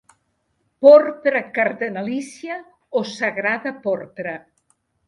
Porpra cardenalícia o sagrada porpra.